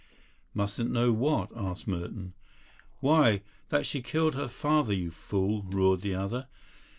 "Mustn't know what?" asked Merton. "Why, that she killed her father, you fool!" roared the other.